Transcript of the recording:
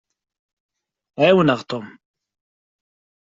Ɛawneɣ Tom.